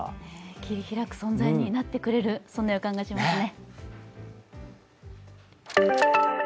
切り開く存在になってくれる予感がしますね